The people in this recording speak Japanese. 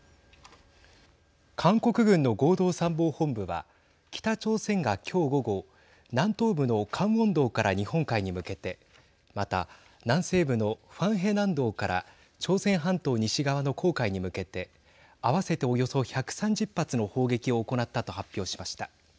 韓国軍の合同参謀本部は北朝鮮が今日午後南東部のカンウォン道から日本海に向けてまた、南西部のファンヘ南道から朝鮮半島西側の黄海に向けて合わせて、およそ１３０発の砲撃を行ったと発表しました。